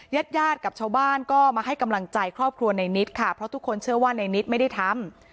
ญาติญาติกับชาวบ้านก็มาให้กำลังใจครอบครัวในนิดค่ะเพราะทุกคนเชื่อว่าในนิดไม่ได้ทำ